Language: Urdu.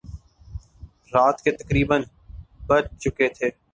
رات کے تقریبا بج چکے تھے